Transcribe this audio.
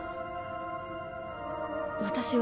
私は。